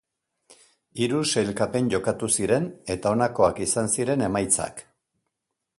Hiru sailkapen jokatu ziren eta honakoak izan ziren emaitzak.